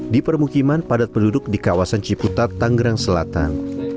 di permukiman padat penduduk di kawasan ciputat tanggerang selatan